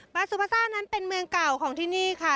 ซูพาซ่านั้นเป็นเมืองเก่าของที่นี่ค่ะ